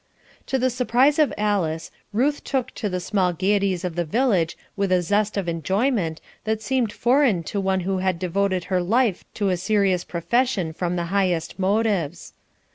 To the surprise of Alice, Ruth took to the small gaieties of the village with a zest of enjoyment that seemed foreign to one who had devoted her life to a serious profession from the highest motives.